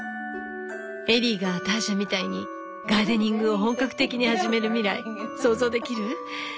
エリーがターシャみたいにガーデニングを本格的に始める未来想像できる？